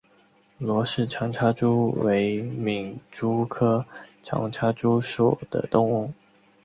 罗氏长插蛛为皿蛛科长插蛛属的动物。